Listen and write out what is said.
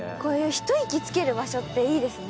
一息つける場所っていいですね。